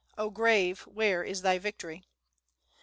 O Grave! where is thy victory?"